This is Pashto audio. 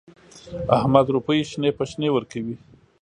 احمد روپۍ شنې په شنې ورکوي.